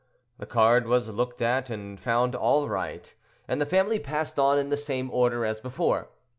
The card was looked at and found all right, and the family passed on in the same order as before.